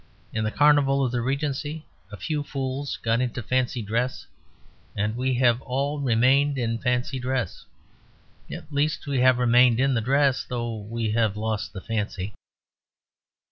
In the carnival of the Regency a few fools got into fancy dress, and we have all remained in fancy dress. At least, we have remained in the dress, though we have lost the fancy.